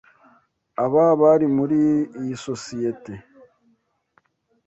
aba bari muri iyi sosiyete